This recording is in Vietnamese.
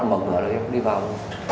mở cửa là em đi vào